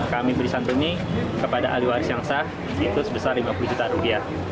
kami beri santuni kepada ahli waris yang sah itu sebesar lima puluh juta rupiah